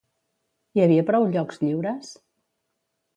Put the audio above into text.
Hi havia prou llocs lliures?